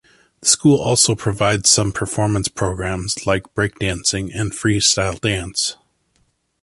The school also provides some performance programs, like breakdancing and freestyle dance.